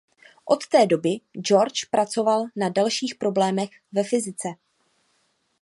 Od té doby Georgi pracoval na dalších problémech ve fyzice.